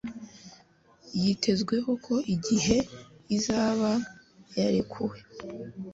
Yitezweho ko igihe izaba yarekuwe